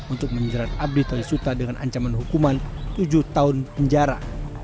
untuk menjerat abdi toisuta dengan ancaman hukuman tujuh tahun penjara